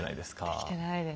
出てきてないです。